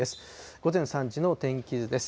午前３時の天気図です。